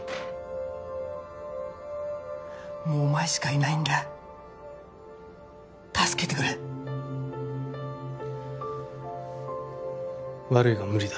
もうお前しかいないんだ助けてくれ悪いが無理だ